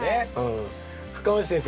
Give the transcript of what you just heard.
深町先生